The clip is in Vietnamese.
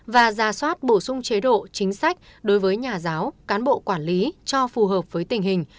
và ra soát bổ sung chế độ chính sách đối với nhà giáo cán bộ quản lý cho phù hợp với tình hình